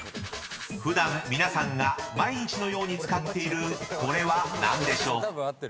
［普段皆さんが毎日のように使っているこれは何でしょう？］